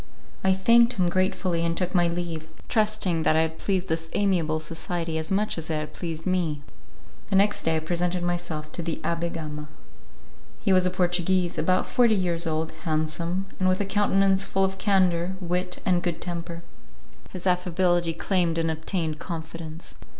I thanked him gratefully and took my leave, trusting that I had pleased this amiable society as much as it had pleased me. The next day I presented myself to the Abbé Gama. He was a Portuguese, about forty years old, handsome, and with a countenance full of candour, wit, and good temper. His affability claimed and obtained confidence.